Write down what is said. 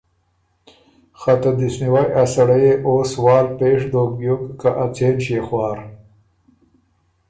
که ته دِست نیوئ ا سړئ يې او سوال پېش دوک بیوک که ا څېن ݭيې خوار؟